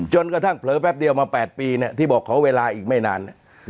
จนกระทั่งเผลอแป๊บเดียวมา๘ปีที่บอกขอเวลาอีกไม่นาน